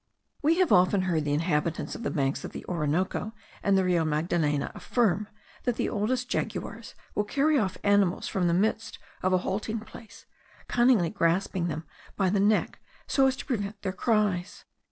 We have often heard the inhabitants of the banks of the Orinoco and the Rio Magdalena affirm, that the oldest jaguars will carry off animals from the midst of a halting place, cunningly grasping them by the neck so as to prevent their cries.